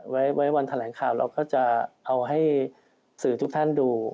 ไว้วันแถลงข่าวเราก็จะเอาให้สื่อทุกท่านดู